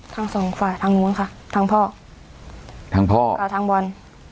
ทั้งสองฝ่ายทางนู้นค่ะทั้งพ่อทั้งพ่อกับทางบอล